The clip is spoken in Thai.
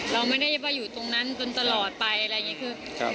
เราไม่ได้ไปอยู่ตรงนั้นจนตลอดไปอะไรอย่างนี้คือ